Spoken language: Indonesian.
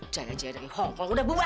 jaya jaya hong kong udah buat